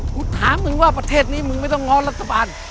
ถามมึงว่าประเทศนี้มึงไม่ต้องง้อรัฐบาล